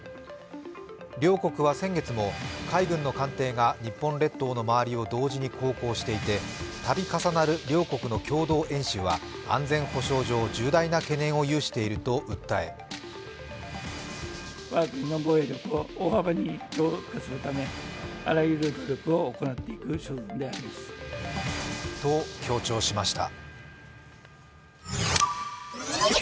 両国は先月も海軍の艦艇が日本列島の周りを同時に航行していて度重なる両国の共同演習は安全保障上、重大な懸念を有していると訴えと強調しました。